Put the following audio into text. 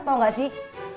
mau gak sih